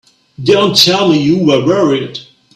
Don't tell me you were worried!